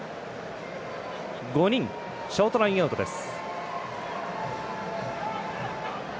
５人、ショートラインアウトです。